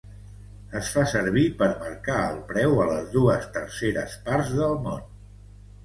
Es fa servir per marcar el preu a les dues terceres parts del món.